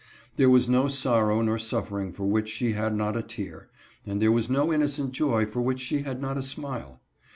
There was no sorrow nor suffering for which she had not a tear, and there was no innocent joy for which she had not a smile.